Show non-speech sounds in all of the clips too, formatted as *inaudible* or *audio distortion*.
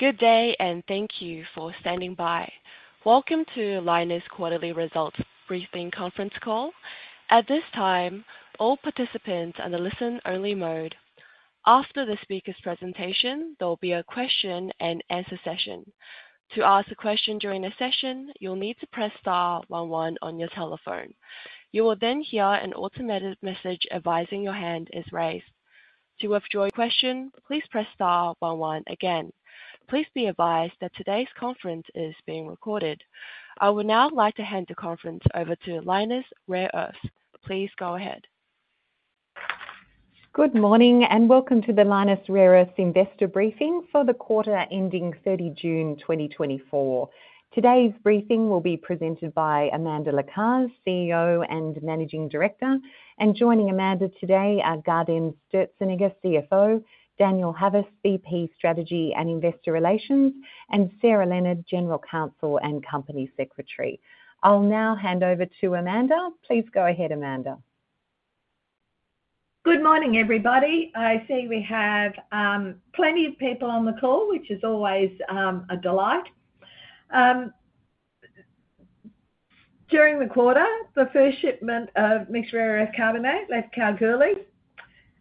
Good day, and thank you for standing by. Welcome to Lynas quarterly results briefing conference call. At this time, all participants are in a listen-only mode. After the speaker's presentation, there will be a question-and-answer session. To ask a question during the session, you'll need to press star one one on your telephone. You will then hear an automated message advising your hand is raised. To withdraw your question, please press star one one again. Please be advised that today's conference is being recorded. I would now like to hand the conference over to Lynas Rare Earths. Please go ahead. Good morning, and welcome to the Lynas Rare Earths investor briefing for the quarter ending 30 June 2024. Today's briefing will be presented by Amanda Lacaze, CEO and Managing Director. And joining Amanda today are Gaudenz Sturzenegger, CFO, Daniel Havas, VP Strategy and Investor Relations, and Sarah Leonard, General Counsel and Company Secretary. I'll now hand over to Amanda. Please go ahead, Amanda. Good morning, everybody. I see we have plenty of people on the call, which is always a delight. During the quarter, the first shipment of Mixed Rare Earth Carbonate left Kalgoorlie.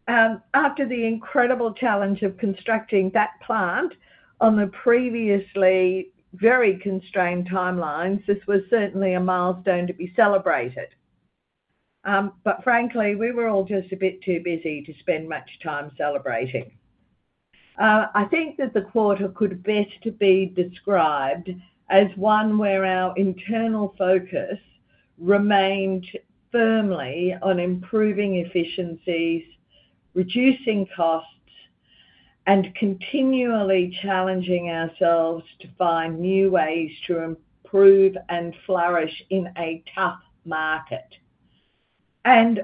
After the incredible challenge of constructing that plant on the previously very constrained timelines, this was certainly a milestone to be celebrated. But frankly, we were all just a bit too busy to spend much time celebrating. I think that the quarter could best be described as one where our internal focus remained firmly on improving efficiencies, reducing costs, and continually challenging ourselves to find new ways to improve and flourish in a tough market.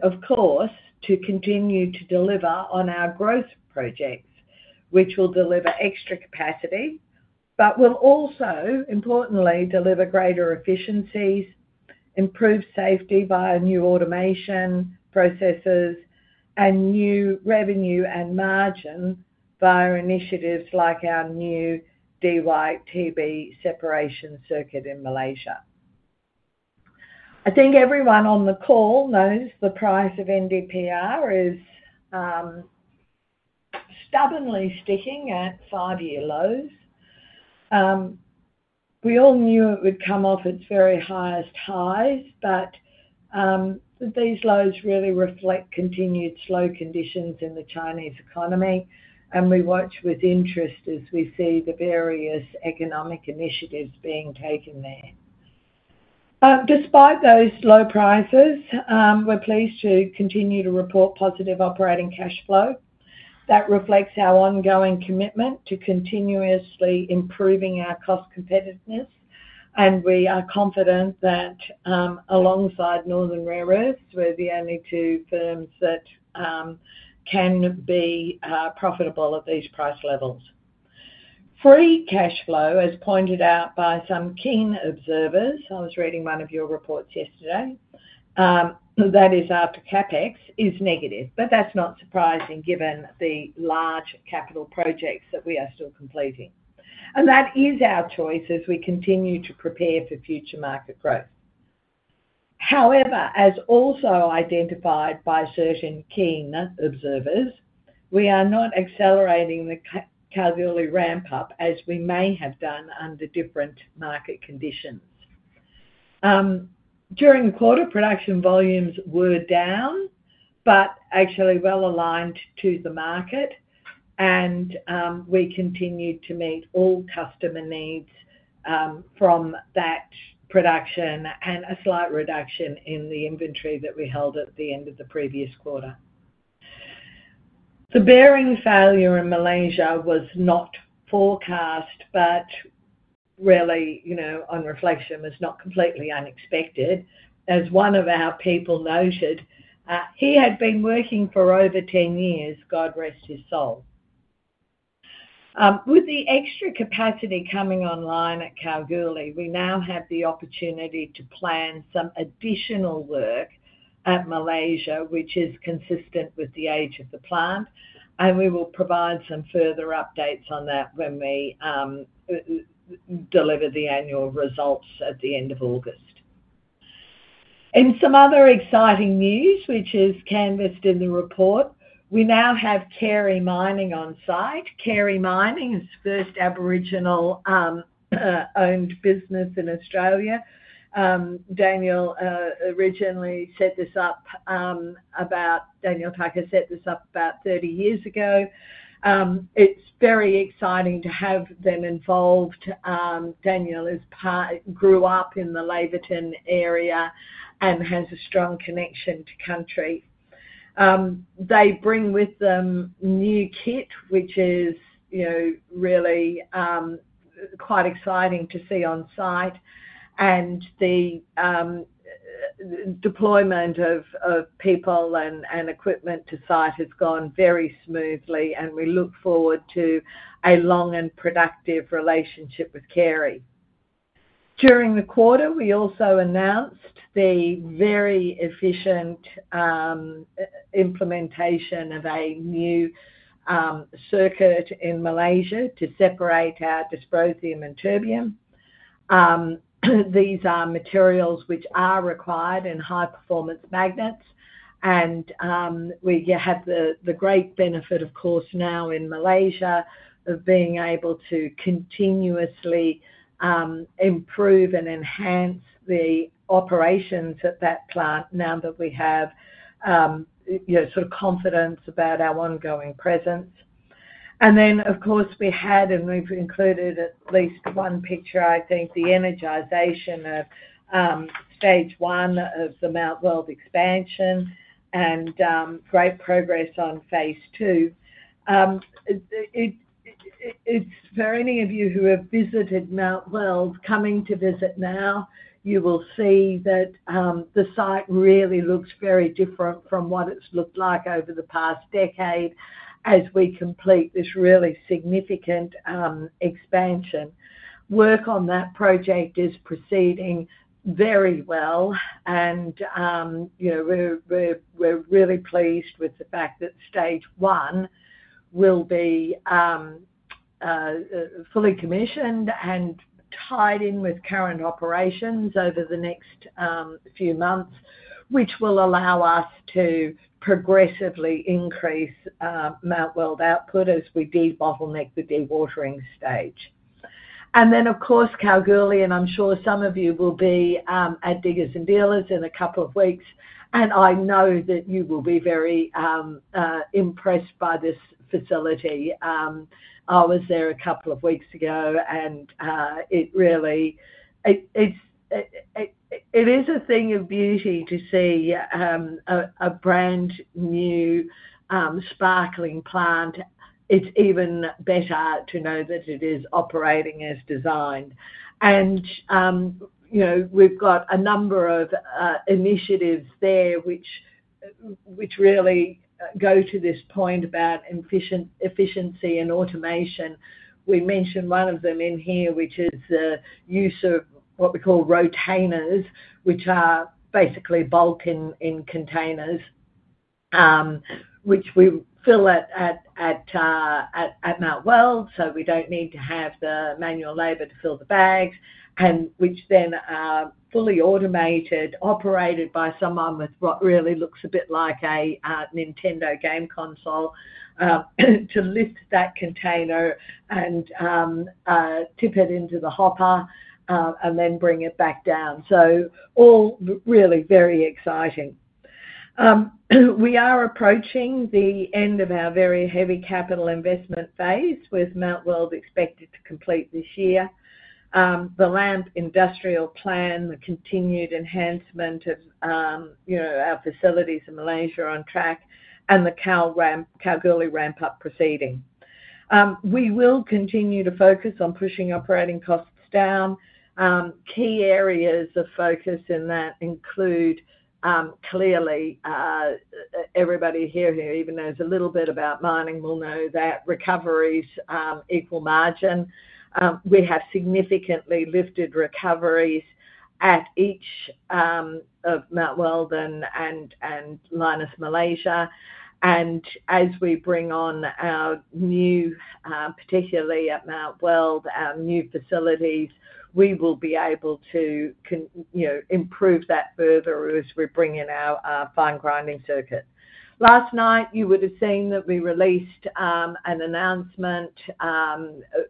Of course, to continue to deliver on our growth projects, which will deliver extra capacity, but will also, importantly, deliver greater efficiencies, improve safety via new automation processes, and new revenue and margin via initiatives like our new DyTb separation circuit in Malaysia. I think everyone on the call knows the price of NdPr is stubbornly sticking at five-year lows. We all knew it would come off its very highest highs, but these lows really reflect continued slow conditions in the Chinese economy, and we watch with interest as we see the various economic initiatives being taken there. Despite those low prices, we're pleased to continue to report positive operating cash flow. That reflects our ongoing commitment to continuously improving our cost competitiveness, and we are confident that, alongside Northern Rare Earth, we're the only two firms that can be profitable at these price levels. Free cash flow, as pointed out by some keen observers, I was reading one of your reports yesterday, that is after CapEx, is negative, but that's not surprising given the large capital projects that we are still completing. And that is our choice as we continue to prepare for future market growth. However, as also identified by certain keen observers, we are not accelerating the Kalgoorlie ramp up, as we may have done under different market conditions. During the quarter, production volumes were down, but actually well aligned to the market, and we continued to meet all customer needs from that production and a slight reduction in the inventory that we held at the end of the previous quarter. The bearing failure in Malaysia was not forecast, but really, you know, on reflection, was not completely unexpected. As one of our people noted, he had been working for over 10 years, God rest his soul. With the extra capacity coming online at Kalgoorlie, we now have the opportunity to plan some additional work at Malaysia, which is consistent with the age of the plant, and we will provide some further updates on that when we deliver the annual results at the end of August. In some other exciting news, which is canvassed in the report, we now have Carey Mining on site. Carey Mining is the first Aboriginal owned business in Australia. Daniel originally set this up, Daniel Tucker set this up about 30 years ago. It's very exciting to have them involved. Daniel grew up in the Laverton area and has a strong connection to country. They bring with them new kit, which is, you know, really quite exciting to see on site. And the deployment of people and equipment to site has gone very smoothly, and we look forward to a long and productive relationship with Carey. During the quarter, we also announced the very efficient implementation of a new circuit in Malaysia to separate our dysprosium and terbium. These are materials which are required in high-performance magnets, and we have the great benefit, of course, now in Malaysia, of being able to continuously improve and enhance the operations at that plant now that we have, you know, sort of confidence about our ongoing presence. And then, of course, we had, and we've included at least one picture, I think, the energization of stage one of the Mount Weld expansion and great progress on phase two. It's for any of you who have visited Mount Weld, coming to visit now, you will see that the site really looks very different from what it's looked like over the past decade as we complete this really significant expansion. Work on that project is proceeding very well, and, you know, we're really pleased with the fact that stage one will be fully commissioned and tied in with current operations over the next few months, which will allow us to progressively increase Mount Weld output as we debottleneck the dewatering stage. And then, of course, Kalgoorlie, and I'm sure some of you will be at Diggers & Dealers in a couple of weeks, and I know that you will be very impressed by this facility. I was there a couple of weeks ago, and it really. It is a thing of beauty to see a brand-new sparkling plant. It's even better to know that it is operating as designed. You know, we've got a number of initiatives there which really go to this point about efficiency and automation. We mentioned one of them in here, which is the use of what we call Rotainers, which are basically bulk in containers, which we fill at Mount Weld, so we don't need to have the manual labor to fill the bags, and which then are fully automated, operated by someone with what really looks a bit like a Nintendo game console, to lift that container and tip it into the hopper, and then bring it back down. So all really very exciting. We are approaching the end of our very heavy capital investment phase, with Mount Weld expected to complete this year. The LAMP industrial plan, the continued enhancement of, you know, our facilities in Malaysia are on track, and the Kal ramp, Kalgoorlie ramp up proceeding. We will continue to focus on pushing operating costs down. Key areas of focus in that include, clearly, everybody here who even knows a little bit about mining will know that recoveries equal margin. We have significantly lifted recoveries at each of Mount Weld and Lynas Malaysia. As we bring on our new, particularly at Mount Weld, our new facilities, we will be able to, you know, improve that further as we bring in our fine grinding circuit. Last night, you would have seen that we released an announcement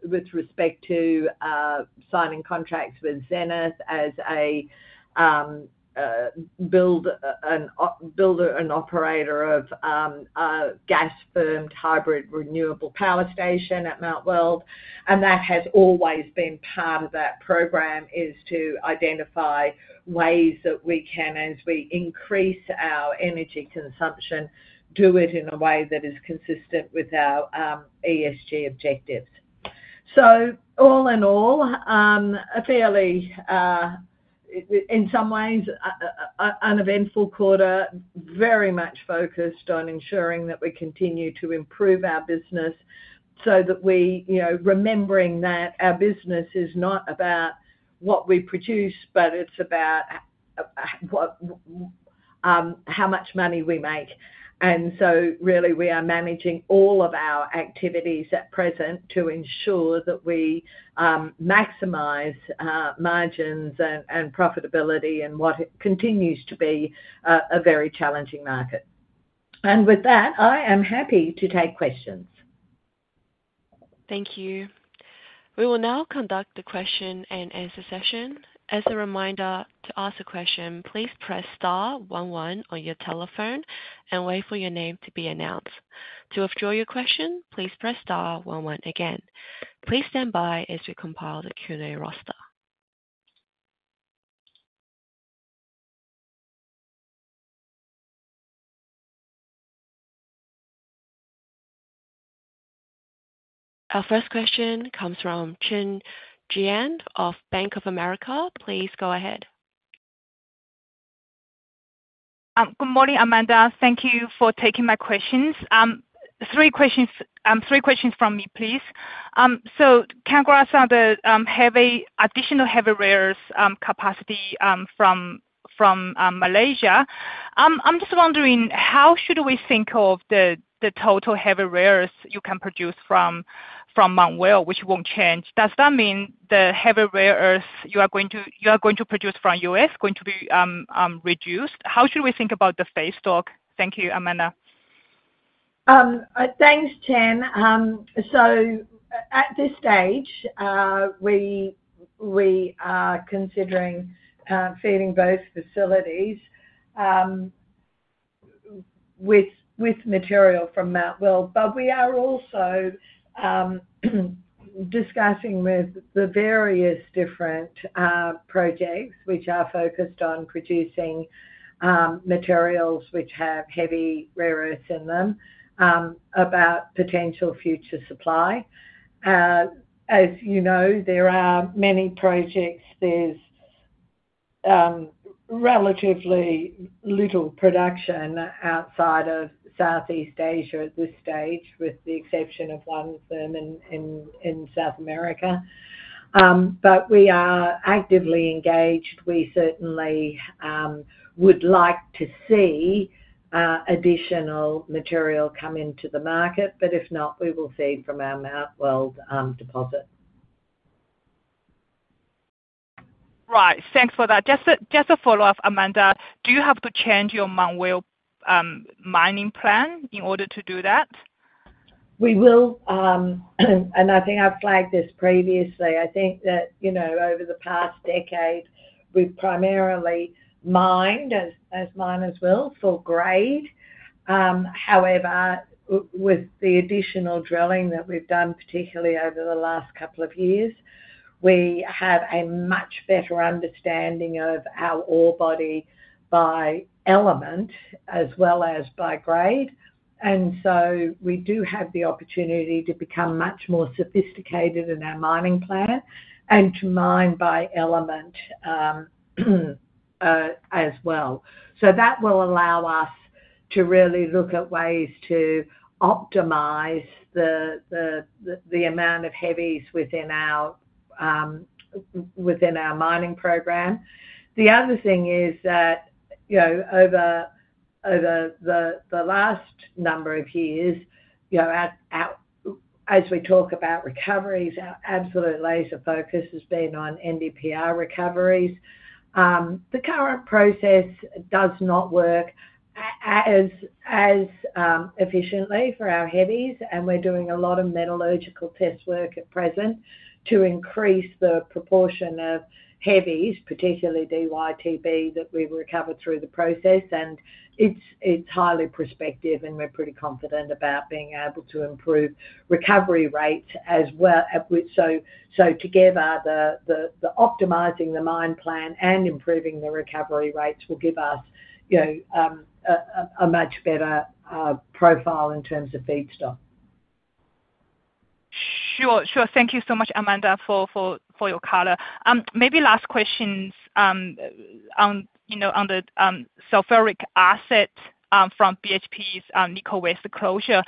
with respect to signing contracts with Zenith as a builder and operator of a gas *audio distortion* hybrid renewable power station at Mount Weld. That has always been part of that program, is to identify ways that we can, as we increase our energy consumption, do it in a way that is consistent with our ESG objectives. So all in all, a fairly uneventful quarter in some ways, very much focused on ensuring that we continue to improve our business so that we... You know, remembering that our business is not about what we produce, but it's about how much money we make. And so really, we are managing all of our activities at present to ensure that we maximize margins and profitability in what continues to be a very challenging market. And with that, I am happy to take questions. Thank you. We will now conduct the question-and-answer session. As a reminder, to ask a question, please press star one one on your telephone and wait for your name to be announced. To withdraw your question, please press star one one again. Please stand by as we compile the Q&A roster. Our first question comes from Chen Jiang of Bank of America. Please go ahead.... Good morning, Amanda. Thank you for taking my questions. Three questions from me, please. So congrats on the heavy additional Heavy Rares capacity from Malaysia. I'm just wondering, how should we think of the total Heavy Rare Earths you can produce from Mount Weld, which won't change? Does that mean the Heavy Rare Earths you are going to produce from U.S. going to be reduced? How should we think about the feedstock? Thank you, Amanda. Thanks, Chen. So at this stage, we are considering feeding both facilities with material from Mount Weld. But we are also discussing with the various different projects, which are focused on producing materials which have Heavy Rare Earths in them about potential future supply. As you know, there are many projects. There's relatively little production outside of Southeast Asia at this stage, with the exception of one of them in South America. But we are actively engaged. We certainly would like to see additional material come into the market, but if not, we will feed from our Mount Weld deposit. Right. Thanks for that. Just a follow-up, Amanda. Do you have to change your Mount Weld mining plan in order to do that? We will, and I think I've flagged this previously. I think that, you know, over the past decade, we've primarily mined as miners will, for grade. However, with the additional drilling that we've done, particularly over the last couple of years, we have a much better understanding of our ore body by element as well as by grade. And so we do have the opportunity to become much more sophisticated in our mining plan and to mine by element as well. So that will allow us to really look at ways to optimize the amount of heavies within our mining program. The other thing is that, you know, over the last number of years, you know, as we talk about recoveries, our absolute laser focus has been on NdPr recoveries. The current process does not work as efficiently for our heavies, and we're doing a lot of metallurgical test work at present to increase the proportion of heavies, particularly DyTb, that we recover through the process. And it's highly prospective, and we're pretty confident about being able to improve recovery rates as well. So together, optimizing the mine plan and improving the recovery rates will give us, you know, a much better profile in terms of feedstock. Sure, sure. Thank you so much, Amanda, for your color. Maybe last questions on, you know, on the sulfuric acid from BHP's Nickel West closure.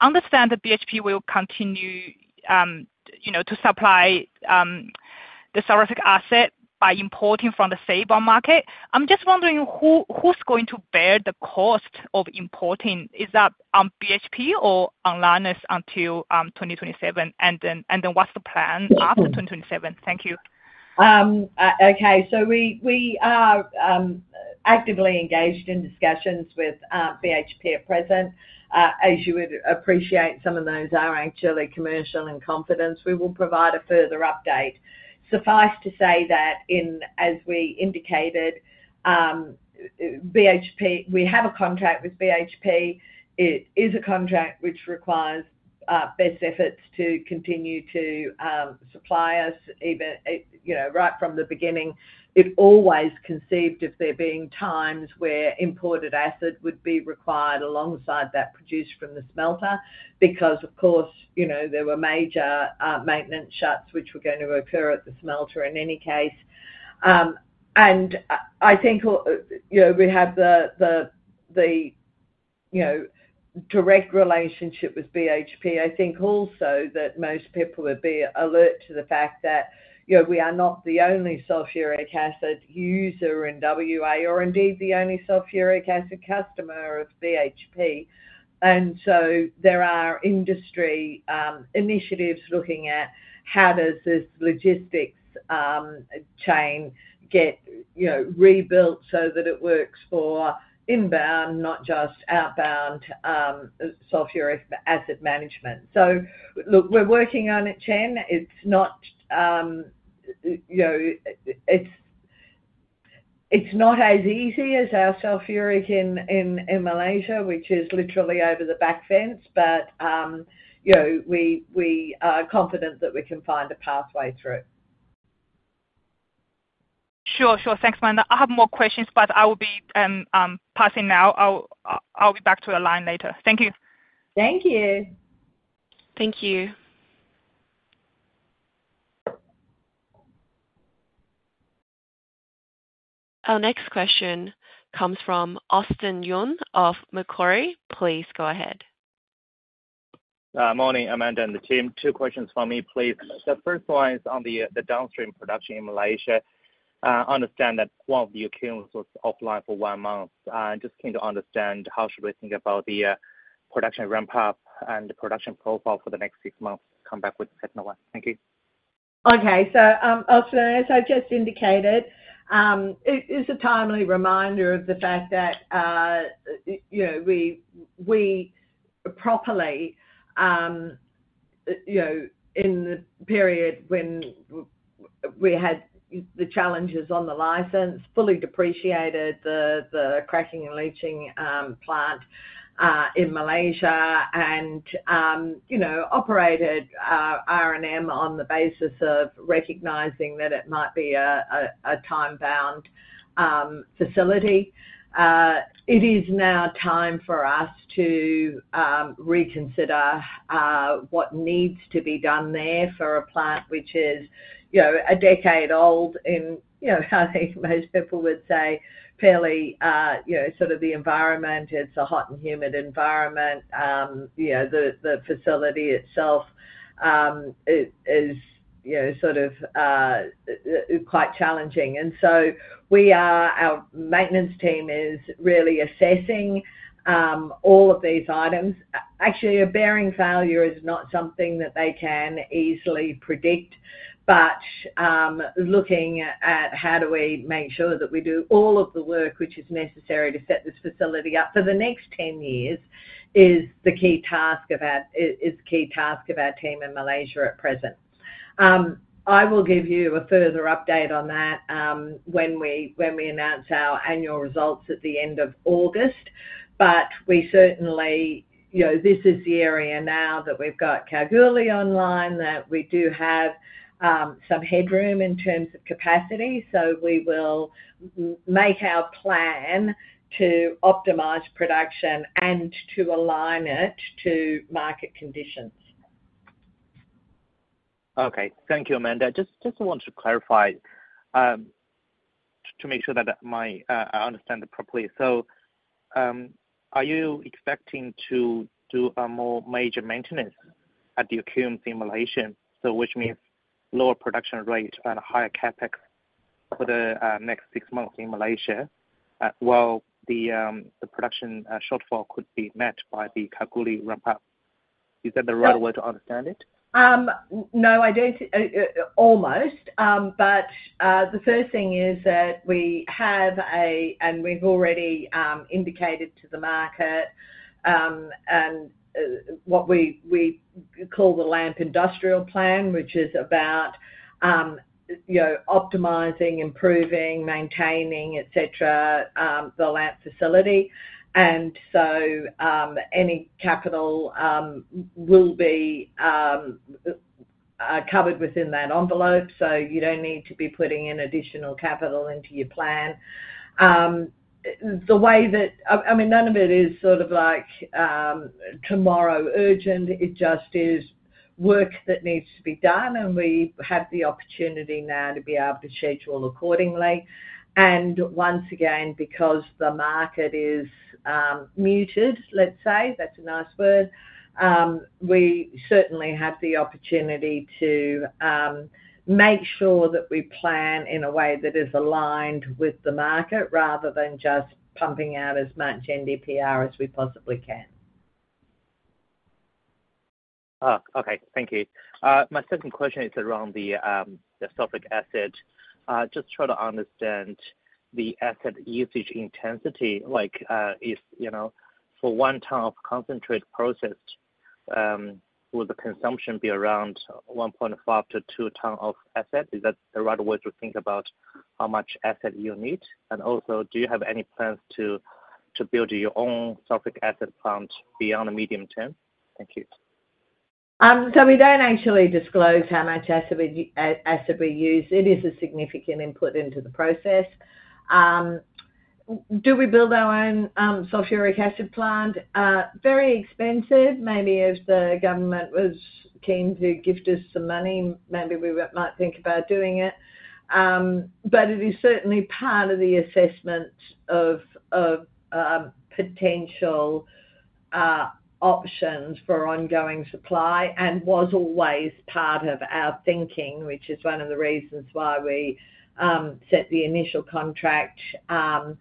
Understand that BHP will continue, you know, to supply the sulfuric acid by importing from the spot market. I'm just wondering who's going to bear the cost of importing? Is that BHP or Lynas until 2027? And then what's the plan after 2027? Thank you. Okay. So we are actively engaged in discussions with BHP at present. As you would appreciate, some of those are actually commercial in confidence. We will provide a further update. Suffice to say that in, as we indicated, BHP, we have a contract with BHP. It is a contract which requires best efforts to continue to supply us even, you know, right from the beginning. It always conceived of there being times where imported acid would be required alongside that produced from the smelter, because, of course, you know, there were major maintenance shuts, which were going to occur at the smelter in any case. And I think, you know, we have the, you know, direct relationship with BHP. I think also that most people would be alert to the fact that, you know, we are not the only sulfuric acid user in *audio distortion* the only sulfuric acid customer of BHP. And so there are industry initiatives looking at how does this logistics chain get, you know, rebuilt so that it works for inbound, not just outbound, sulfuric acid management. So look, we're working on it, Chen. It's not, you know. It's not as easy as our sulfuric in Malaysia, which is literally over the back fence, but, you know, we are confident that we can find a pathway through. Sure. Sure. Thanks, Amanda. I have more questions, but I will be passing now. I'll get back to the line later. Thank you. Thank you. Thank you. Our next question comes from Austin Yun of Macquarie. Please go ahead. Morning, Amanda and the team. Two questions for me, please. The first one is on the downstream production in Malaysia. I understand that one of your kilns was offline for one month. I just came to understand how should we think about the production ramp up and the production profile for the next six months? Come back with the second one. Thank you. Okay. So, Austin, as I just indicated, it is a timely reminder of the fact that, you know, we properly, you know, in the period when we had the challenges on the license, fully depreciated the cracking and leaching plant in Malaysia. And, you know, operated R&M on the basis of recognizing that it might be a time-bound facility. It is now time for us to reconsider what needs to be done there for a plant, which is, you know, a decade old and, you know, I think most people would say fairly, you know, sort of the environment, it's a hot and humid environment. You know, the facility itself is, you know, sort of quite challenging. Our maintenance team is really assessing all of these items. Actually, a bearing failure is not something that they can easily predict, but looking at how do we make sure that we do all of the work which is necessary to set this facility up for the next 10 years, is the key task of our team in Malaysia at present. I will give you a further update on that when we announce our annual results at the end of August. But we certainly... You know, this is the area now that we've got Kalgoorlie online, that we do have some headroom in terms of capacity, so we will make our plan to optimize production and to align it to market conditions. Okay. Thank you, Amanda. Just want to clarify to make sure that I understand it properly. So, are you expecting to do a more major maintenance at the LAMP in Malaysia, which means lower production rate and a higher CapEx for the next six months in Malaysia, while the production shortfall could be met by the Kalgoorlie ramp up? Is that the right way to understand it? No, I don't, almost. But the first thing is that we have, and we've already indicated to the market, and what we call the LAMP Industrial Plan, which is about, you know, optimizing, improving, maintaining, et cetera, the LAMP facility. And so, any capital will be covered within that envelope, so you don't need to be putting in additional capital into your plan. The way that... I mean, none of it is sort of like, tomorrow urgent. It just is work that needs to be done, and we have the opportunity now to be able to schedule accordingly. Once again, because the market is muted, let's say, that's a nice word, we certainly have the opportunity to make sure that we plan in a way that is aligned with the market, rather than just pumping out as much NdPr as we possibly can. Oh, okay. Thank you. My second question is around the, the sulfuric acid. Just try to understand the acid usage intensity, like, if, you know, for 1 ton of concentrate processed, will the consumption be around 1.5-2 tons of acid? Is that the right way to think about how much acid you need? And also, do you have any plans to, to build your own sulfuric acid plant beyond the medium term? Thank you. So we don't actually disclose how much acid we use. It is a significant input into the process. Do we build our own sulfuric acid plant? Very expensive. Maybe if the government was keen to gift us some money, maybe we might think about doing it. But it is certainly part of the assessment of potential options for ongoing supply, and was always part of our thinking, which is one of the reasons why we set the initial contract, you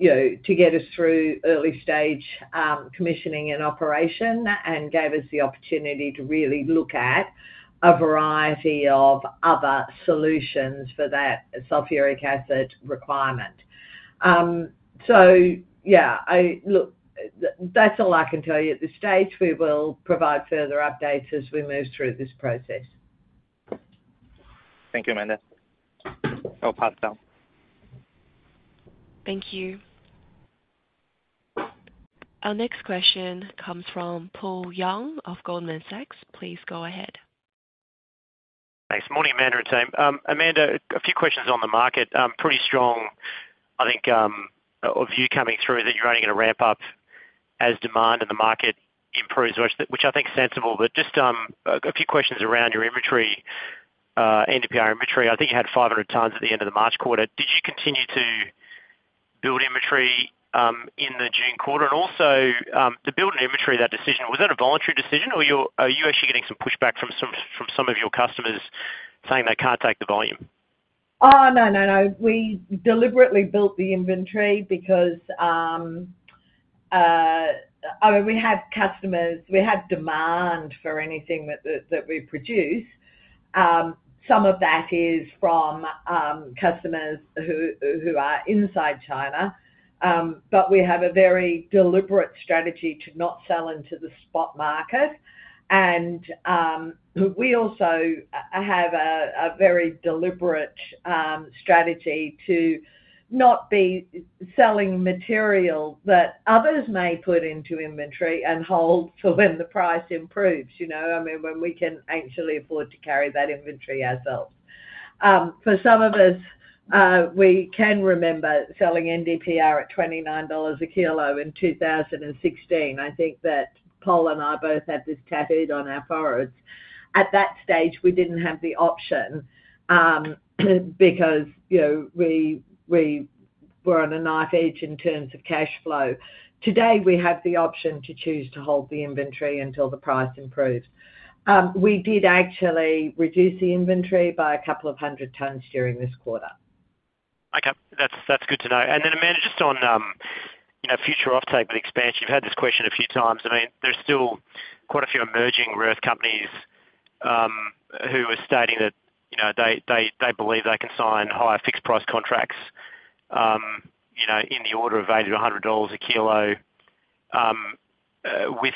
know, to get us through early stage commissioning and operation, and gave us the opportunity to really look at a variety of other solutions for that sulfuric acid requirement. So yeah, look, that's all I can tell you at this stage. We will provide further updates as we move through this process. Thank you, Amanda. I'll pass it down. Thank you. Our next question comes from Paul Young of Goldman Sachs. Please go ahead. Thanks. Morning, Amanda and team. Amanda, a few questions on the market. Pretty strong, I think, of you coming through, that you're only going to ramp up as demand in the market improves, which I think is sensible. But just a few questions around your inventory, NdPr inventory. I think you had 500 tons at the end of the March quarter. Did you continue to build inventory in the June quarter? And also, to build an inventory, that decision, was that a voluntary decision, or are you actually getting some pushback from some of your customers saying they can't take the volume? Oh, no, no, no. We deliberately built the inventory because, I mean, we have customers, we have demand for anything that the, that we produce. Some of that is from, customers who, who are inside China. But we have a very deliberate strategy to not sell into the spot market. And, we also have a, a very deliberate, strategy to not be selling material that others may put into inventory and hold till when the price improves, you know? I mean, when we can actually afford to carry that inventory ourselves. For some of us, we can remember selling NdPr at $29 a kilo in 2016. I think that Paul and I both have this tattooed on our foreheads. At that stage, we didn't have the option, because, you know, we were on a knife edge in terms of cash flow. Today, we have the option to choose to hold the inventory until the price improves. We did actually reduce the inventory by 200 tons during this quarter. Okay, that's good to know. And then, Amanda, just on, you know, future offtake with expansion, you've had this question a few times. I mean, there's still quite a few emerging rare earth companies, who are stating that, you know, they believe they can sign higher fixed price contracts, you know, in the order of $80-$100 a kilo, and we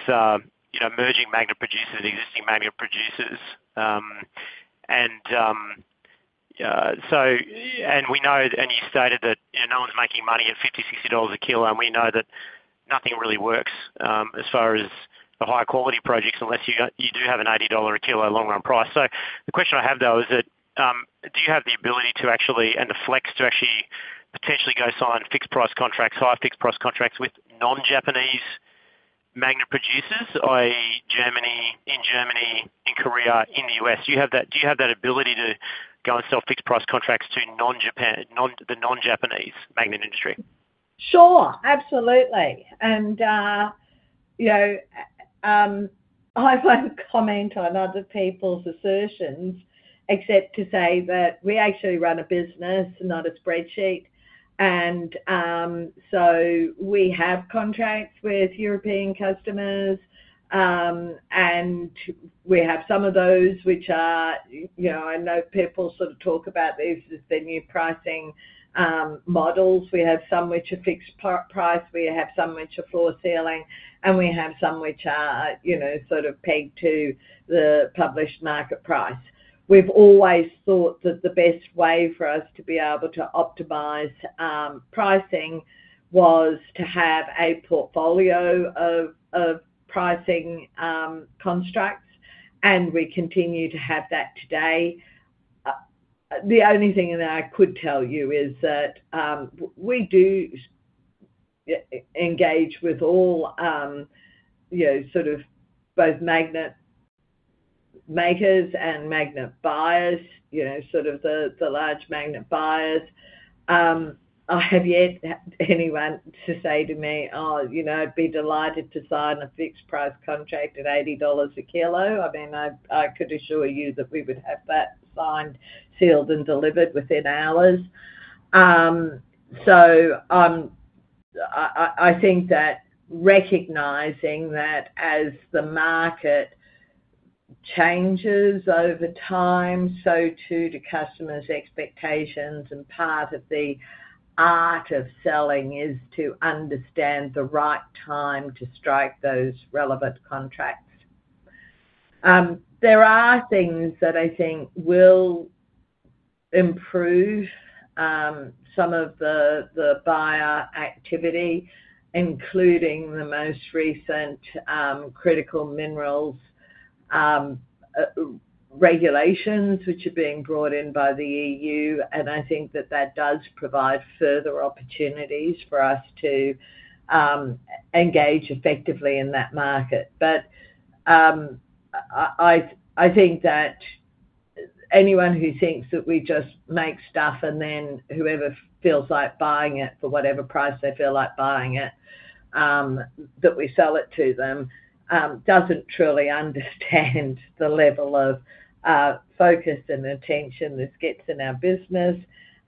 know, and you stated that, you know, no one's making money at $50-$60 a kilo, and we know that nothing really works, as far as the high quality projects, unless you do have an $80 a kilo long run price. So the question I have, though, is that, do you have the ability to actually, and the flex to actually potentially go sign fixed price contracts, high fixed price contracts with non-Japanese magnet producers, i.e., Germany, in Germany, in Korea, in the U.S.? Do you have that, do you have that ability to go and sell fixed price contracts to non-Japan, non-Japanese magnet industry? Sure, absolutely. And, you know, I won't comment on other people's assertions, except to say that we actually run a business, not a spreadsheet. And, so we have contracts with European customers, and we have some of those which are, you, you know, I know people sort of talk about these as the new pricing, models. We have some which are fixed price, we have some which are floor-ceiling, and we have some which are, you know, sort of pegged to the published market price. We've always thought that the best way for us to be able to optimize, pricing was to have a portfolio of, of pricing, constructs, and we continue to have that today. The only thing that I could tell you is that, we do engage with all, you know, sort of both magnet makers and magnet buyers, you know, sort of the, the large magnet buyers. I have yet to have anyone to say to me, "Oh, you know, I'd be delighted to sign a fixed price contract at $80 a kilo." I mean, I could assure you that we would have that signed, sealed, and delivered within hours. So, I think that recognizing that as the market changes over time, so too do customers' expectations, and part of the art of selling is to understand the right time to strike those relevant contracts. There are things that I think will improve some of the buyer activity, including the most recent critical minerals regulations, which are being brought in by the E.U. I think that that does provide further opportunities for us to engage effectively in that market. But I think that anyone who thinks that we just make stuff, and then whoever feels like buying it for whatever price they feel like buying it, that we sell it to them, doesn't truly understand the level of focus and attention this gets in our business.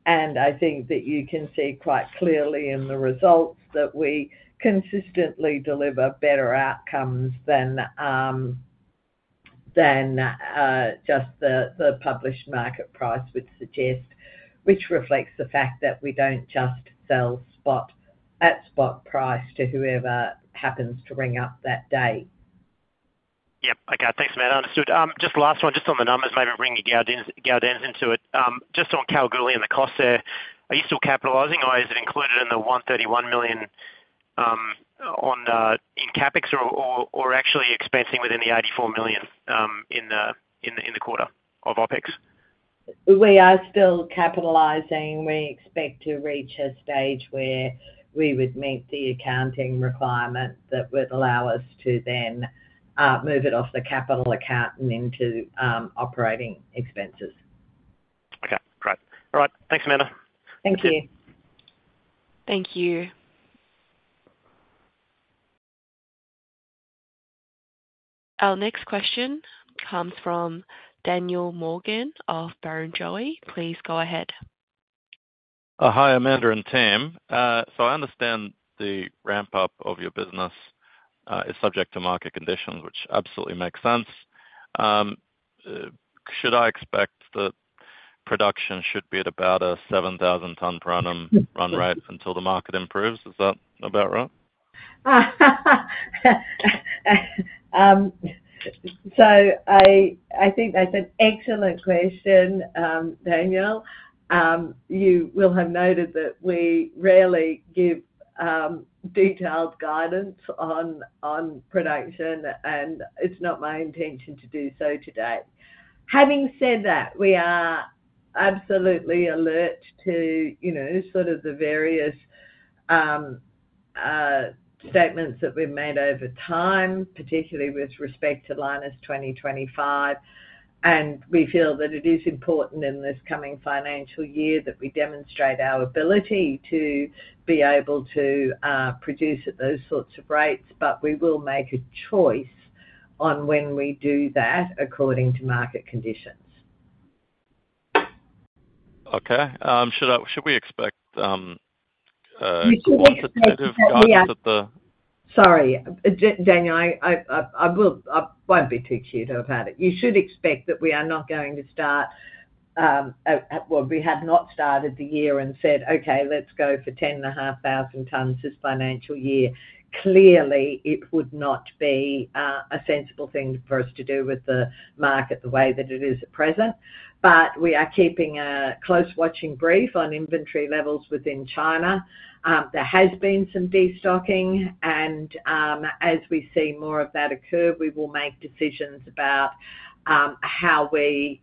I think that you can see quite clearly in the results that we consistently deliver better outcomes than just the published market price would suggest, which reflects the fact that we don't just sell spot, at spot price to whoever happens to ring up that day. Yep. Okay, thanks, Amanda. Understood. Just last one, just on the numbers, maybe bring your Gaudenz into it. Just on Kalgoorlie and the costs there, are you still capitalizing, or is it included in the 131 million, on the, in CapEx or, or actually expensing within the 84 million, in the quarter of OpEx?... We are still capitalizing. We expect to reach a stage where we would meet the accounting requirement that would allow us to then move it off the capital account and into operating expenses. Okay, great. All right. Thanks, Amanda. Thank you. Thank you. Our next question comes from Daniel Morgan of Barrenjoey. Please go ahead. Hi, Amanda and team. So I understand the ramp-up of your business is subject to market conditions, which absolutely makes sense. Should I expect that production should be at about a 7,000 ton per annum run rate until the market improves? Is that about right? So I think that's an excellent question, Daniel. You will have noted that we rarely give detailed guidance on production, and it's not my intention to do so today. Having said that, we are absolutely alert to, you know, sort of the various statements that we've made over time, particularly with respect to Lynas 2025, and we feel that it is important in this coming financial year that we demonstrate our ability to be able to produce at those sorts of rates, but we will make a choice on when we do that according to market conditions. Okay. Should we expect quantitative- Sorry, Daniel, I will, I won't be too cute about it. You should expect that we are not going to start, well, we have not started the year and said, "Okay, let's go for 10,500 tons this financial year." Clearly, it would not be a sensible thing for us to do with the market the way that it is at present. But we are keeping a close watching brief on inventory levels within China. There has been some destocking, and, as we see more of that occur, we will make decisions about, how we,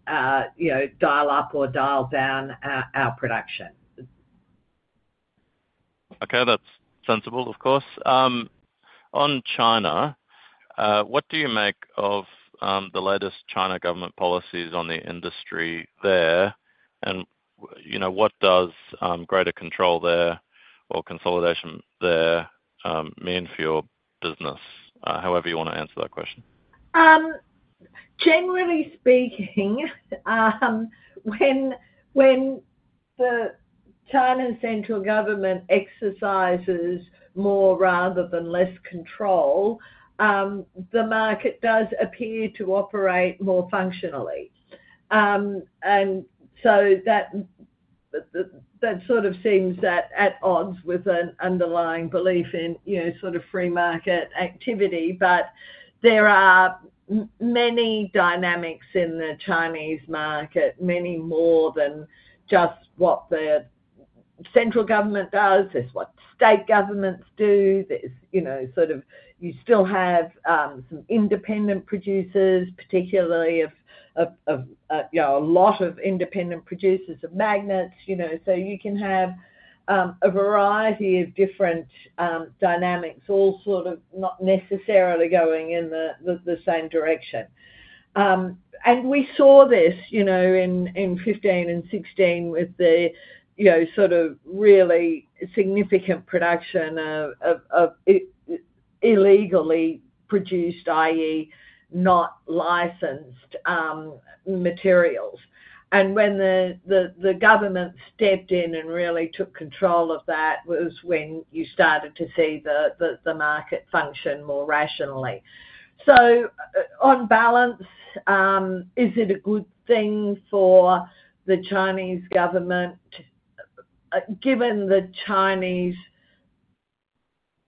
you know, dial up or dial down our production. Okay, that's sensible, of course. On China, what do you make of the latest China government policies on the industry there? You know, what does greater control there or consolidation there mean for your business? However you want to answer that question. Generally speaking, when the China central government exercises more rather than less control, the market does appear to operate more functionally. And so that sort of seems at odds with an underlying belief in, you know, sort of free market activity. But there are many dynamics in the Chinese market, many more than just what the central government does. There's what state governments do. There's, you know, sort of you still have some independent producers, particularly of, you know, a lot of independent producers of magnets, you know, so you can have a variety of different dynamics, all sort of not necessarily going in the same direction. And we saw this, you know, in 2015 and 2016 with the, you know, sort of really significant production of illegally produced, i.e., not licensed, materials. And when the government stepped in and really took control of that was when you started to see the market function more rationally. So on balance, is it a good thing for the Chinese government? Given the Chinese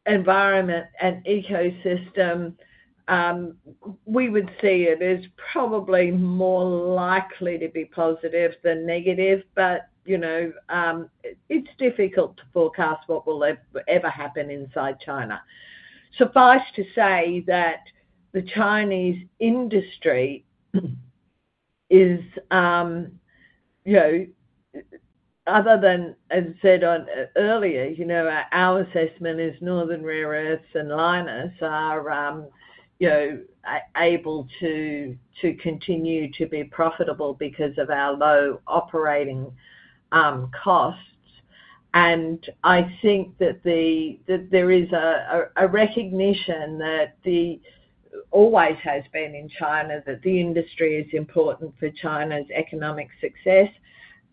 environment and ecosystem, we would see it as probably more likely to be positive than negative, but, you know, it's difficult to forecast what will ever happen inside China. Suffice to say that the Chinese industry is, you know, other than as said on earlier, you know, our assessment is Northern Rare Earth and Lynas are, you know, able to continue to be profitable because of our low operating costs. And I think that there is a recognition that always has been in China, that the industry is important for China's economic success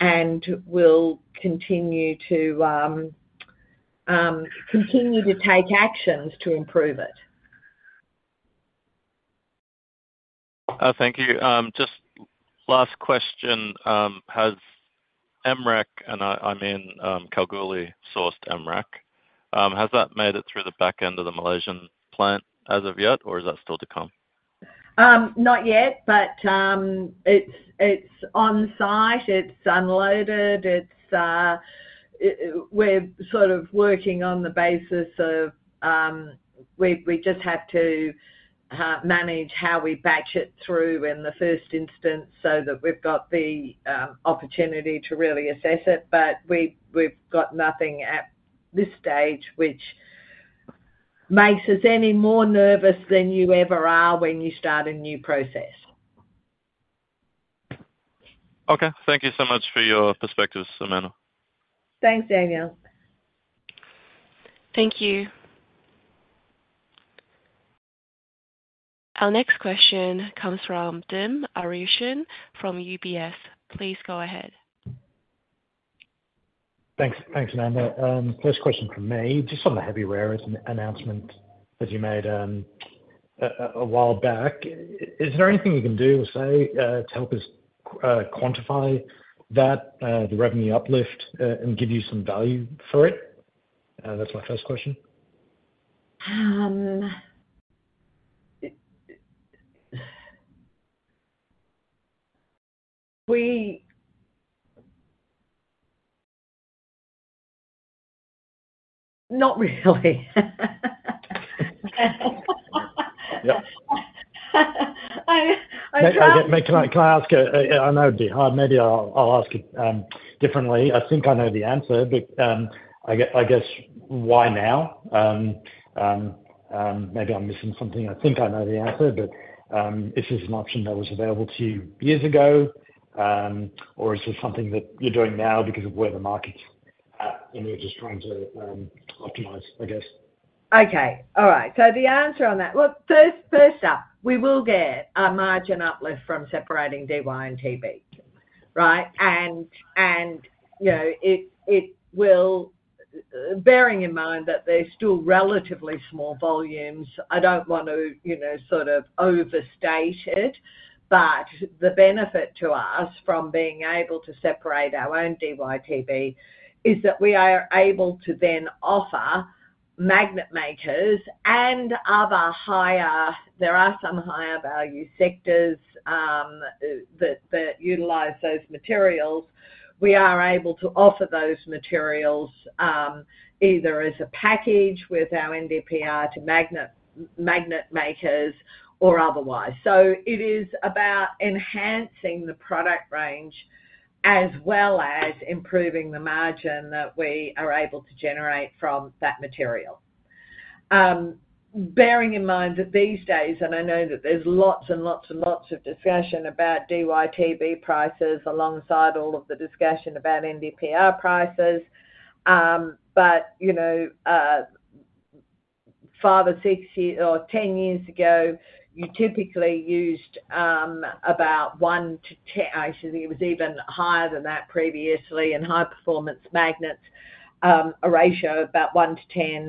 and will continue to continue to take actions to improve it. Thank you. Just last question. Has MREC, and I mean, Kalgoorlie-sourced MREC, has that made it through the back end of the Malaysian plant as of yet, or is that still to come? Not yet, but it's on site. It's unloaded. We're sort of working on the basis of we just have to manage how we batch it through in the first instance so that we've got the opportunity to really assess it, but we've got nothing at this stage, which makes us any more nervous than you ever are when you start a new process. Okay. Thank you so much for your perspectives, Amanda. Thanks, Daniel. Thank you. Our next question comes from Dim Ariyasinghe from UBS. Please go ahead. Thanks. Thanks, Amanda. First question from me, just on the Heavy Rare Earth announcement that you made, a while back. Is there anything you can do or say to help us quantify that, the revenue uplift, and give you some value for it? That's my first question. Not really. Yeah. I try- Can I ask a question? I know it'd be hard. Maybe I'll ask it differently. I think I know the answer, but I guess, why now? Maybe I'm missing something. I think I know the answer, but is this an option that was available to you years ago? Or is this something that you're doing now because of where the market's at, and you're just trying to optimize, I guess? Okay. All right. So the answer on that. Look, first, first up, we will get a margin uplift from separating Dy and Tb, right? And, and, you know, it, it will, bearing in mind that they're still relatively small volumes, I don't want to, you know, sort of overstate it. But the benefit to us from being able to separate our own DyTb, is that we are able to then offer magnet makers and other higher. There are some higher value sectors, that, that utilize those materials. We are able to offer those materials, either as a package with our NdPr to magnet, magnet makers or otherwise. So it is about enhancing the product range, as well as improving the margin that we are able to generate from that material. Bearing in mind that these days, and I know that there's lots and lots and lots of discussion about DyTb prices alongside all of the discussion about NdPr prices. But, you know, five or six or ten years ago, you typically used, about one to ten—actually, it was even higher than that previously—in high performance magnets, a ratio of about 1 to 10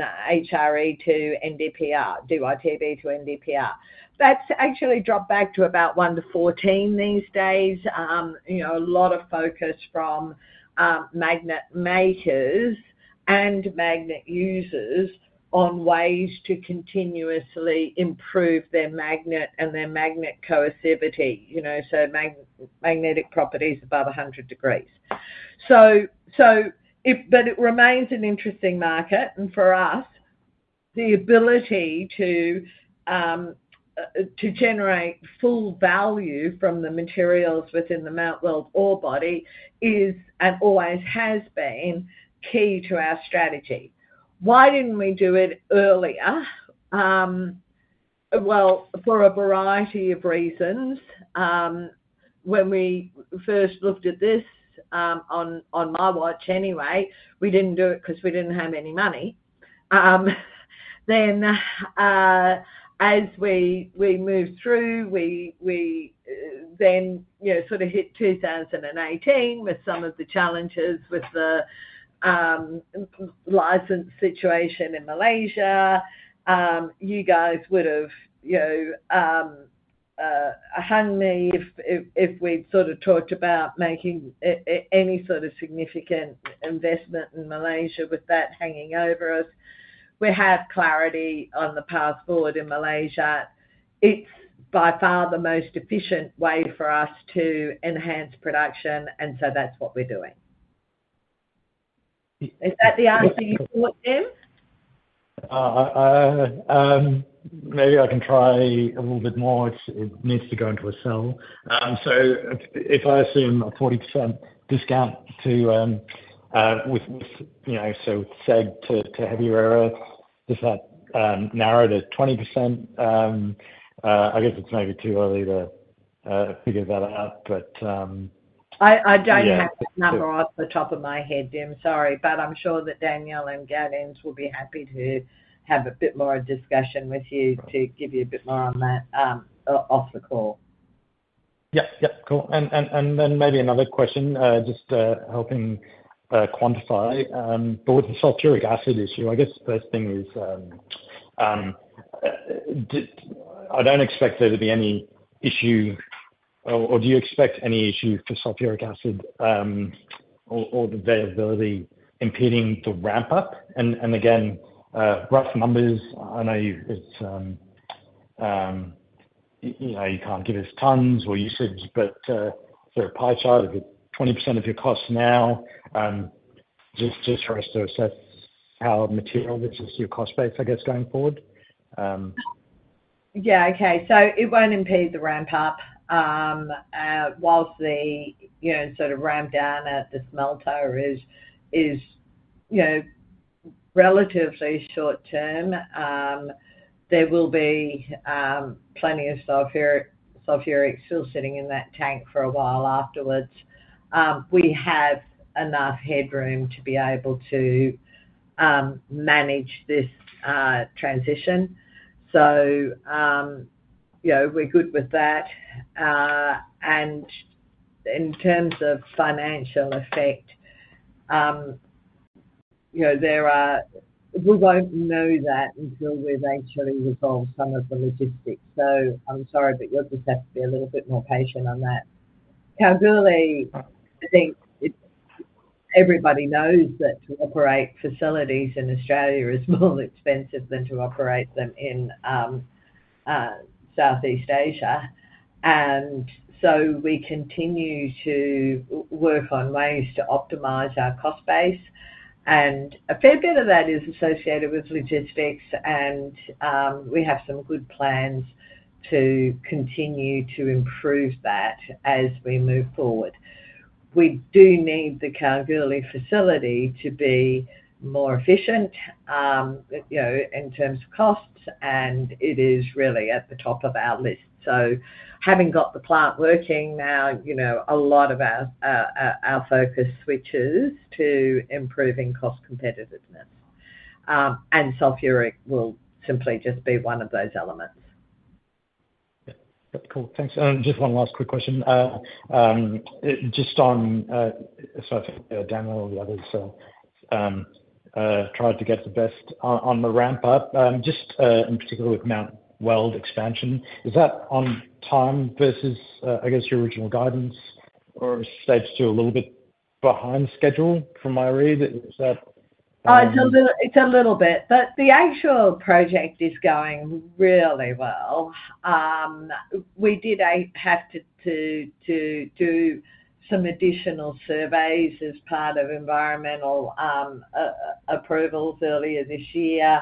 HRE to NdPr, DyTb to NdPr. That's actually dropped back to about 1 to 14 these days. You know, a lot of focus from, magnet makers and magnet users on ways to continuously improve their magnet and their magnet coercivity. You know, so magnetic properties above 100 degrees. But it remains an interesting market, and for us, the ability to generate full value from the materials within the Mount Weld ore body is, and always has been, key to our strategy. Why didn't we do it earlier? Well, for a variety of reasons. When we first looked at this, on my watch anyway, we didn't do it because we didn't have any money. Then, as we then, you know, sort of hit 2018 with some of the challenges with the license situation in Malaysia. You guys would have, you know, hung me if we'd sort of talked about making any sort of significant investment in Malaysia with that hanging over us. We have clarity on the path forward in Malaysia. It's by far the most efficient way for us to enhance production, and so that's what we're doing. Is that the answer you sought, Dim? Maybe I can try a little bit more. It needs to go into a cell. So if I assume a 40% discount to, with, you know, so SEG to Heavy Rare Earth, is that narrowed to 20%? I guess it's maybe too early to figure that out, but I don't- Yeah... have the number off the top of my head, Dim, sorry, but I'm sure that Daniel and Gaudenz will be happy to have a bit more of a discussion with you, to give you a bit more on that, off the call. Yep. Yep. Cool. And then maybe another question, just helping quantify. But with the sulfuric acid issue, I guess the first thing is, I don't expect there to be any issue, or do you expect any issue for sulfuric acid, or the availability impeding the ramp up? And again, rough numbers. I know it's, you know, you can't give us tons or usage, but sort of pie chart, is it 20% of your costs now? Just for us to assess how material this is to your cost base, I guess, going forward.... Yeah, okay. So it won't impede the ramp up. While the, you know, sort of ramp down at the smelter is, you know, relatively short term, there will be plenty of sulfuric still sitting in that tank for a while afterwards. We have enough headroom to be able to manage this transition. So, you know, we're good with that. And in terms of financial effect, you know, there are. We won't know that until we've actually resolved some of the logistics. So I'm sorry, but you'll just have to be a little bit more patient on that. Kalgoorlie, I think it's, everybody knows that to operate facilities in Australia is more expensive than to operate them in Southeast Asia. And so we continue to work on ways to optimize our cost base. And a fair bit of that is associated with logistics, and we have some good plans to continue to improve that as we move forward. We do need the Kalgoorlie facility to be more efficient, you know, in terms of costs, and it is really at the top of our list. So having got the plant working now, you know, a lot of our focus switches to improving cost competitiveness. And sulfuric will simply just be one of those elements. Yeah. Cool. Thanks. Just one last quick question. Just on, so Daniel or the others, tried to get the best on, on the ramp up. Just, in particular with Mount Weld expansion, is that on time versus, I guess, your original guidance, or stays still a little bit behind schedule from my read, is that- Oh, it's a little bit, but the actual project is going really well. We did have to do some additional surveys as part of environmental approvals earlier this year.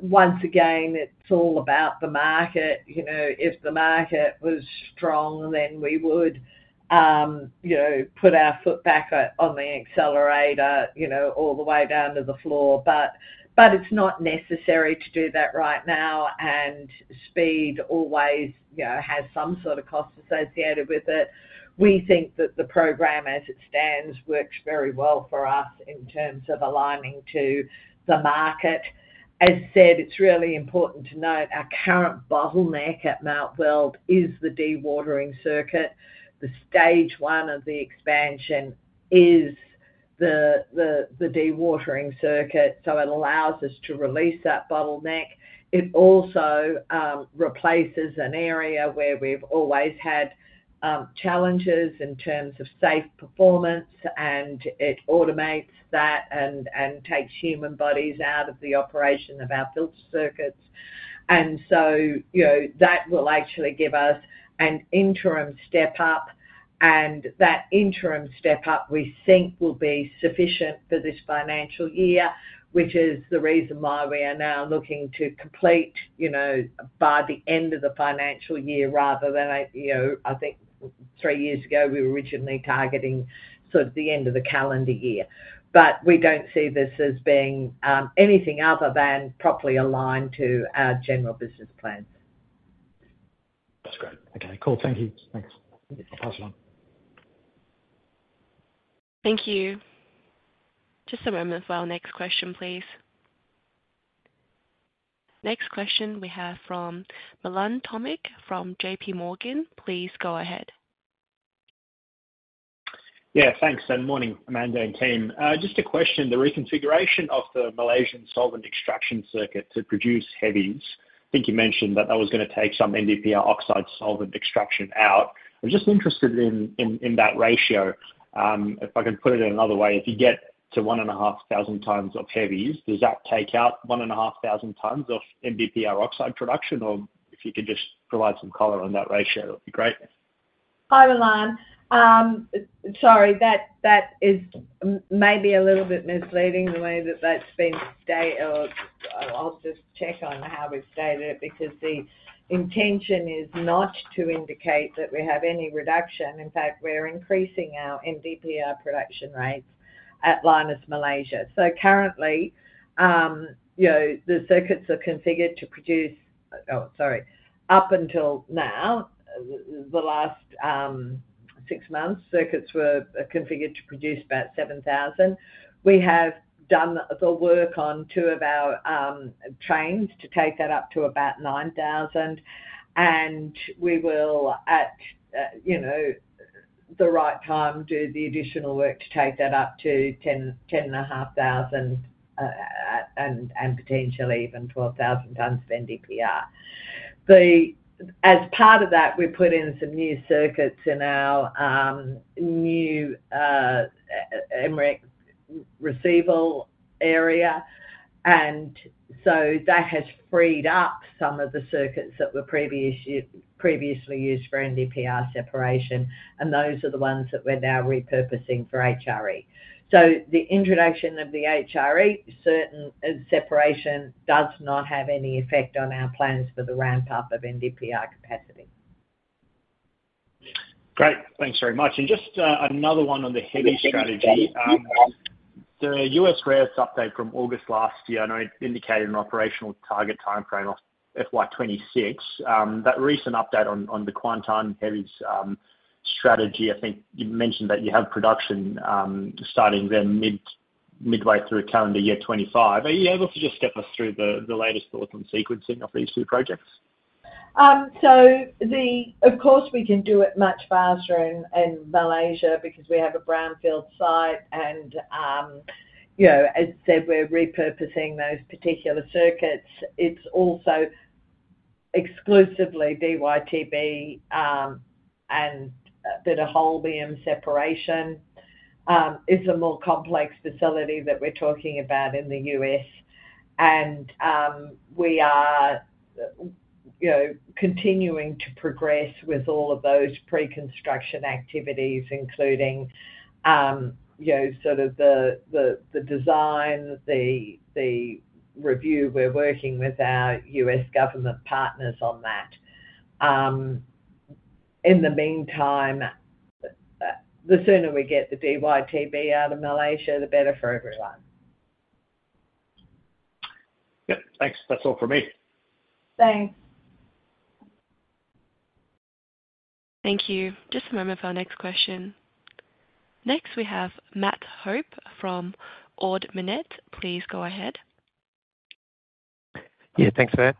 Once again, it's all about the market. You know, if the market was strong, then we would, you know, put our foot back on the accelerator, you know, all the way down to the floor. But it's not necessary to do that right now, and speed always, you know, has some sort of cost associated with it. We think that the program as it stands works very well for us in terms of aligning to the market. As said, it's really important to note our current bottleneck at Mount Weld is the dewatering circuit. The stage one of the expansion is the dewatering circuit, so it allows us to release that bottleneck. It also replaces an area where we've always had challenges in terms of safe performance, and it automates that and takes human bodies out of the operation of our filter circuits. So, you know, that will actually give us an interim step up, and that interim step up, we think, will be sufficient for this financial year, which is the reason why we are now looking to complete, you know, by the end of the financial year, rather than, you know, I think three years ago, we were originally targeting sort of the end of the calendar year. But we don't see this as being anything other than properly aligned to our general business plans. That's great. Okay, cool. Thank you. Thanks. I'll pass it on. Thank you. Just a moment for our next question, please. Next question we have from Milan Tomic from JPMorgan. Please go ahead. Yeah, thanks, and morning, Amanda and team. Just a question, the reconfiguration of the Malaysian solvent extraction circuit to produce heavies, I think you mentioned that that was gonna take some NdPr oxide solvent extraction out. I'm just interested in that ratio. If I can put it another way, if you get to 1,500 tons of heavies, does that take out 1,500 tons of NdPr oxide production? Or if you could just provide some color on that ratio, that would be great. Hi, Milan. Sorry, that is maybe a little bit misleading, the way that that's been stated, or I'll just check on how we've stated it, because the intention is not to indicate that we have any reduction. In fact, we're increasing our NdPr production rates at Lynas Malaysia. So currently, you know, the circuits are configured to produce. Sorry, up until now, the last six months, circuits were configured to produce about 7,000. We have done the work on two of our trains to take that up to about 9,000, and we will, at you know, the right time, do the additional work to take that up to 10-10.5 thousand, and potentially even 12,000 tons of NdPr. As part of that, we put in some new circuits in our new MREC receivable area, and so that has freed up some of the circuits that were previously used for NdPr separation, and those are the ones that we're now repurposing for HRE. So the introduction of the HRE separation does not have any effect on our plans for the ramp up of NdPr capacity.... Great. Thanks very much. And just, another one on the heavy strategy. The U.S. rare earths update from August last year, I know it indicated an operational target timeframe of FY 2026. That recent update on the Kuantan heavies strategy, I think you mentioned that you have production starting midway through calendar year 2025. Are you able to just step us through the latest thoughts on sequencing of these two projects? Of course, we can do it much faster in Malaysia because we have a brownfield site, and, you know, as said, we're repurposing those particular circuits. It's also exclusively DyTb, and did a holmium separation. It's a more complex facility that we're talking about in the U.S. And, we are, you know, continuing to progress with all of those pre-construction activities, including, you know, sort of the design, the review. We're working with our U.S. government partners on that. In the meantime, the sooner we get the DyTb out of Malaysia, the better for everyone. Yep, thanks. That's all for me. Thanks. Thank you. Just a moment for our next question. Next, we have Matt Hope from Ord Minnett. Please go ahead. Yeah, thanks for that.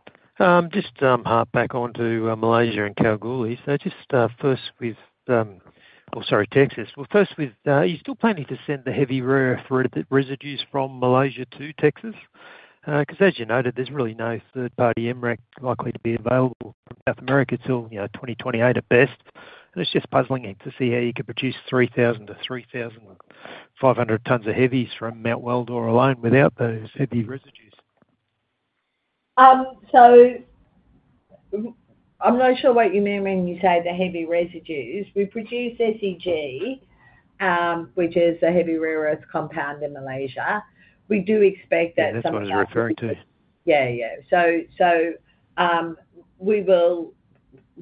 Just, hark back to Malaysia and Kalgoorlie. So just, first with... Oh, sorry, Texas. Well, first with, are you still planning to send the Heavy Rare Earth residues from Malaysia to Texas? 'Cause as you noted, there's really no third-party MREC likely to be available from South America till, you know, 2028 at best. And it's just puzzling to see how you could produce 3,000-3,500 tons of heavies from Mount Weld alone without those heavy residues. So, I'm not sure what you mean when you say the heavy residues. We produce SEG, which is Heavy Rare Earth compound in Malaysia. We do expect that- Yeah, that's what I was referring to. Yeah, yeah. So,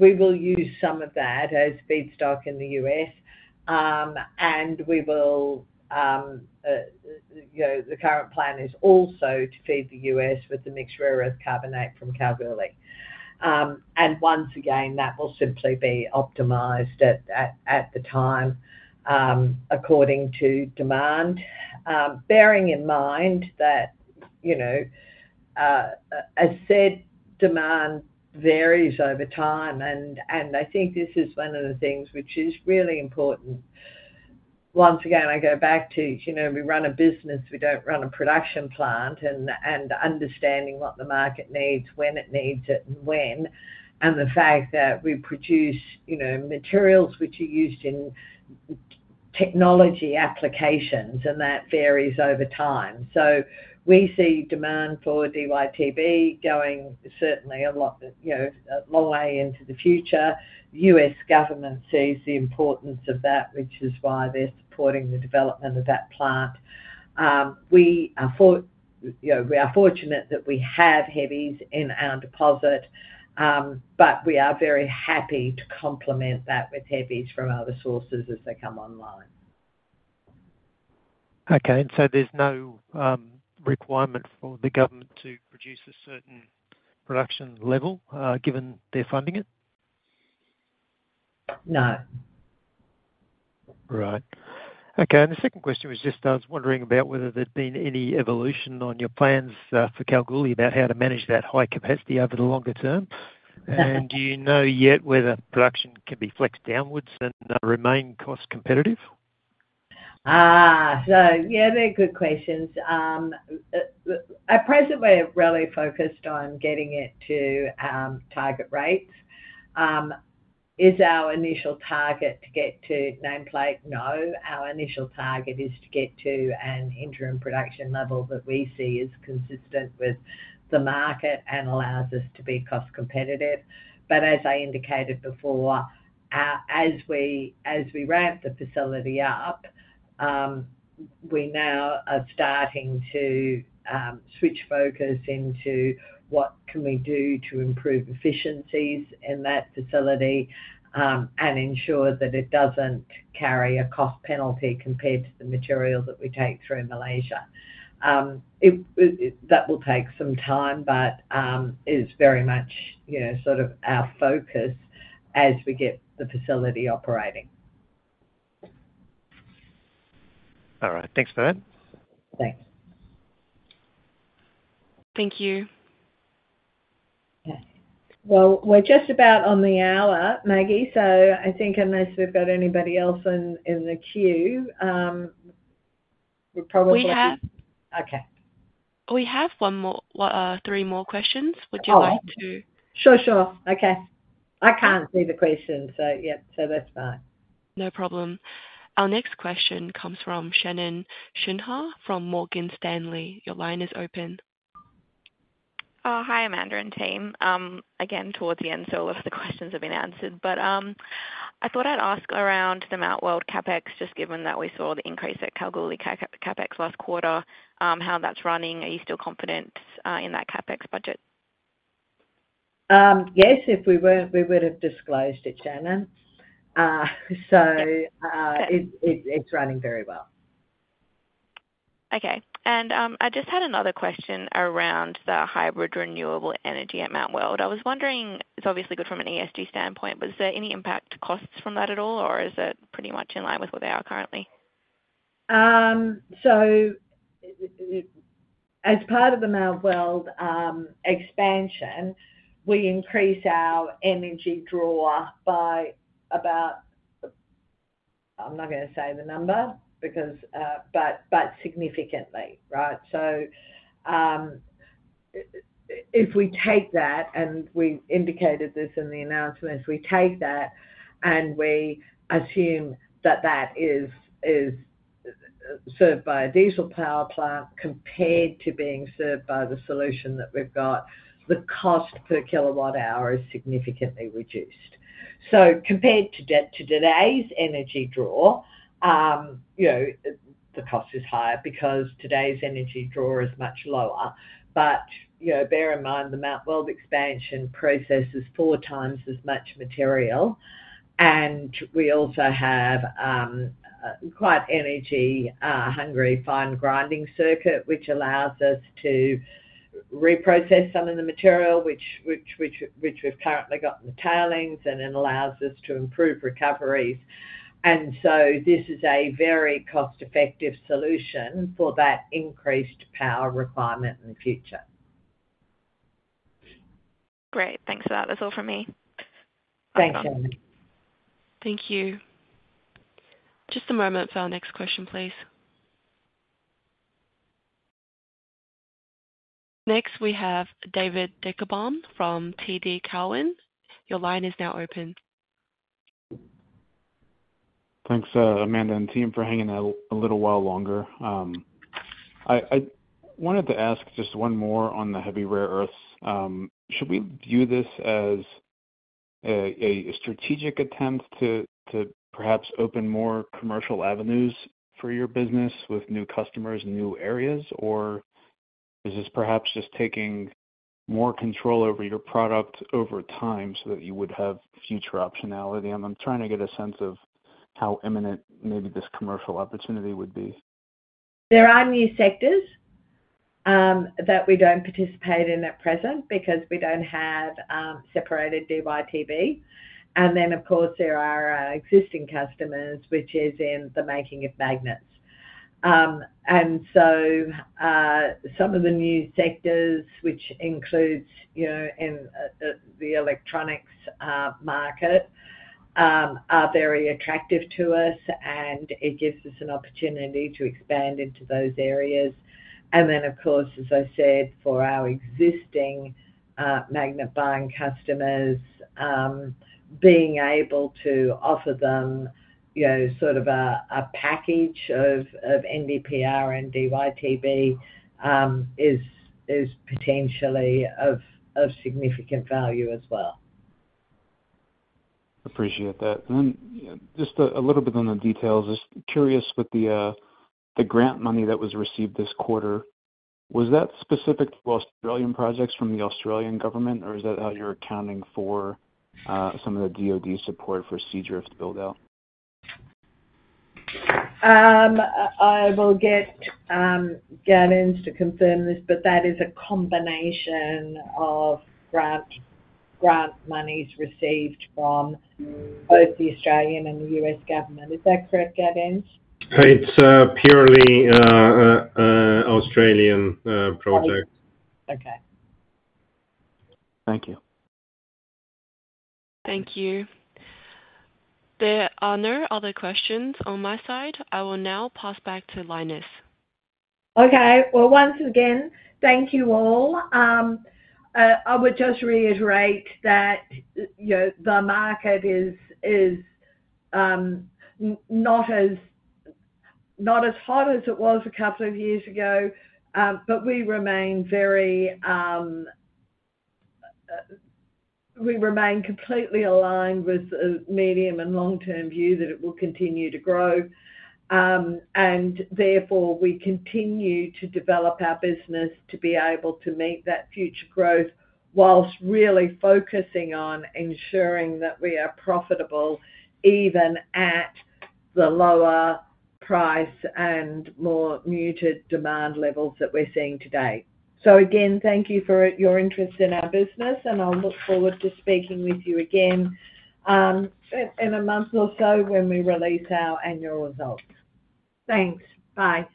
we will use some of that as feedstock in the U.S. And we will, you know, the current plan is also to feed the U.S. with the mixed rare earth carbonate from Kalgoorlie. And once again, that will simply be optimized at the time, according to demand. Bearing in mind that, you know, as said, demand varies over time, and I think this is one of the things which is really important. Once again, I go back to, you know, we run a business, we don't run a production plant, and understanding what the market needs, when it needs it, and the fact that we produce, you know, materials which are used in technology applications, and that varies over time. So we see demand for DyTb going certainly a lot, you know, a long way into the future. U.S. government sees the importance of that, which is why they're supporting the development of that plant. We are, you know, fortunate that we have heavies in our deposit, but we are very happy to complement that with heavies from other sources as they come online. Okay, and so there's no requirement for the government to produce a certain production level, given they're funding it? No. Right. Okay, and the second question was just, I was wondering about whether there'd been any evolution on your plans for Kalgoorlie, about how to manage that high capacity over the longer term. Uh. Do you know yet whether production can be flexed downwards and remain cost competitive? So yeah, they're good questions. At present, we're really focused on getting it to target rates. Is our initial target to get to nameplate? No. Our initial target is to get to an interim production level that we see is consistent with the market and allows us to be cost competitive. But as I indicated before, as we ramp the facility up, we now are starting to switch focus into what can we do to improve efficiencies in that facility, and ensure that it doesn't carry a cost penalty compared to the material that we take through Malaysia. It, that will take some time, but is very much, you know, sort of our focus as we get the facility operating. All right. Thanks for that. Thanks. Thank you. Okay. Well, we're just about on the hour, Maggie, so I think unless we've got anybody else in the queue, we're probably- We have. Okay. We have one more, three more questions. Oh. Would you like to- Sure, sure. Okay. I can't see the questions, so, yep, so that's fine. No problem. Our next question comes from Shannon Sinha, from Morgan Stanley. Your line is open. Hi, Amanda and team. Again, towards the end, so a lot of the questions have been answered. But, I thought I'd ask around the Mount Weld CapEx, just given that we saw the increase at Kalgoorlie CapEx last quarter, how that's running. Are you still confident in that CapEx budget?... Yes, if we were, we would have disclosed it, Shannon. So, it’s running very well. Okay. And, I just had another question around the hybrid renewable energy at Mount Weld. I was wondering, it's obviously good from an ESG standpoint, but is there any impact costs from that at all, or is it pretty much in line with where they are currently? So, as part of the Mount Weld expansion, we increase our energy draw by about... I'm not gonna say the number because, but significantly, right? So, if we take that, and we indicated this in the announcement, we take that, and we assume that that is served by a diesel power plant compared to being served by the solution that we've got, the cost per kilowatt hour is significantly reduced. So compared to today's energy draw, you know, the cost is higher because today's energy draw is much lower. But, you know, bear in mind, the Mount Weld expansion processes four times as much material, and we also have quite energy hungry fine grinding circuit, which allows us to reprocess some of the material which we've currently got in the tailings, and it allows us to improve recoveries. And so this is a very cost-effective solution for that increased power requirement in the future. Great. Thanks for that. That's all from me. Thanks, Shannon. Thank you. Just a moment for our next question, please. Next, we have David Deckelbaum from TD Cowen. Your line is now open. Thanks, Amanda and team, for hanging out a little while longer. I wanted to ask just one more on the Heavy Rare Earths. Should we view this as a strategic attempt to perhaps open more commercial avenues for your business with new customers and new areas? Or is this perhaps just taking more control over your product over time so that you would have future optionality? I'm trying to get a sense of how imminent maybe this commercial opportunity would be. There are new sectors that we don't participate in at present because we don't have separated DyTb. And then, of course, there are our existing customers, which is in the making of magnets. And so, some of the new sectors, which includes, you know, in the electronics market, are very attractive to us, and it gives us an opportunity to expand into those areas. And then, of course, as I said, for our existing magnet-buying customers, being able to offer them, you know, sort of a package of NdPr and DyTb, is potentially of significant value as well. Appreciate that. Just a little bit on the details. Just curious with the grant money that was received this quarter, was that specific to Australian projects from the Australian government, or is that how you're accounting for some of the DoD support for Seadrift build-out? I will get Gaudenz to confirm this, but that is a combination of grant monies received from both the Australian and the U.S. government. Is that correct, Gaudenz? It's purely a Australian project. Okay. Thank you. Thank you. There are no other questions on my side. I will now pass back to Lynas. Okay. Well, once again, thank you, all. I would just reiterate that, you know, the market is not as hot as it was a couple of years ago. But we remain completely aligned with a medium- and long-term view that it will continue to grow. And therefore, we continue to develop our business to be able to meet that future growth, whilst really focusing on ensuring that we are profitable, even at the lower price and more muted demand levels that we're seeing today. So again, thank you for your interest in our business, and I'll look forward to speaking with you again, in a month or so when we release our annual results. Thanks. Bye.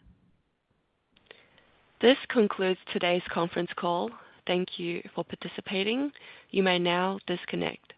This concludes today's conference call. Thank you for participating. You may now disconnect.